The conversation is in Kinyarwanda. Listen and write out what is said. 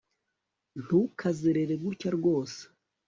ntukazerere gutya rwose